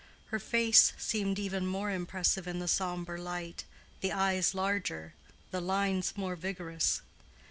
Her face seemed even more impressive in the sombre light, the eyes larger, the lines more vigorous.